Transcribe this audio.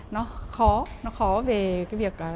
nó khó nó khó về cái việc